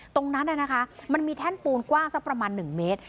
ตรงนั้นมันมีแท่นปูนกว้างสักประมาณ๑เมตร